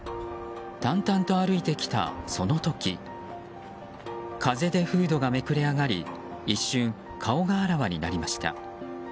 淡々と歩いてきた、その時風邪でフードがめくれ上がり一瞬、顔があらわになりました。